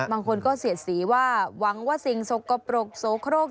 บางคนก็เสียดสีว่าหวังว่าสิ่งสกปรกโสโครก